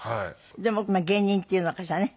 でも芸人っていうのかしらね。